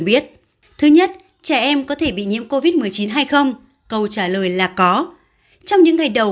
biết thứ nhất trẻ em có thể bị nhiễm covid một mươi chín hay không câu trả lời là có trong những ngày đầu